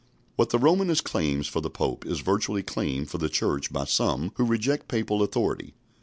What the Romanist claims for the Pope is virtually claimed for the Church by some who reject Papal authority.